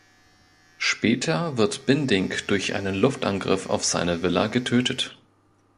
Später wird Binding durch einen Luftangriff auf seine Villa getötet.